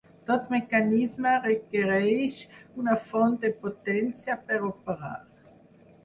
Tot mecanisme requereix una font de potència per operar.